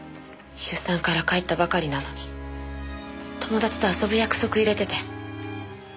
出産から帰ったばかりなのに友達と遊ぶ約束入れてて。